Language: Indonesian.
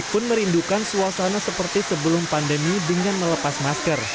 pun merindukan suasana seperti sebelum pandemi dengan melepas masker